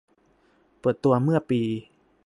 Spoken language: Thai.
เปิดตัวเมื่อปี